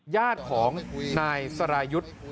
ญาติของนายสรายุทธ์